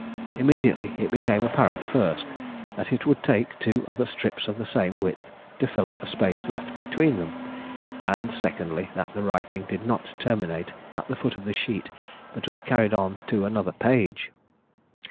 Immediately it became apparent: first, that it would take two other strips of the same width to fill up the space left between them; and secondly, that the writing did not terminate at the foot of the sheet, but was carried on to another page.